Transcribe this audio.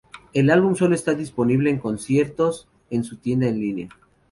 El álbum solo está disponible en conciertos en su tienda en línea.